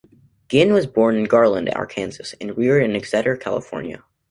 Guinn was born in Garland, Arkansas and reared in Exeter, California.